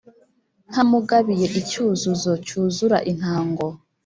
Ntamugabiye icyuzuzo cyuzura intango